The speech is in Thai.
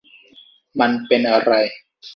มันเป็นอะไร